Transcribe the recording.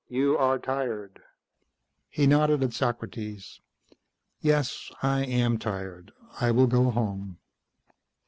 "You are tired." He nodded at Socrates. "Yes, I am tired. I will go home."